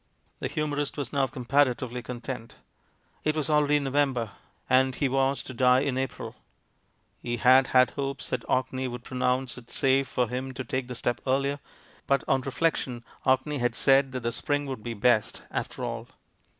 The humorist was now comparatively content. It was already November, and he was to die in April. He had had hopes that Orkney would pronounce it safe for him to take the step earlier, but on reflection Orkney had said that the spring would be best, after all.